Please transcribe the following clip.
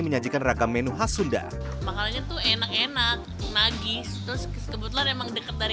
menyajikan ragam menu khas sunda makanannya tuh enak enak nagis terus kebetulan emang deket dari